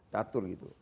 satu hari gitu